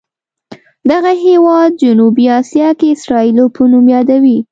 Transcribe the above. دغه هېواد جنوبي اسیا کې اسرائیلو په نوم یادوي.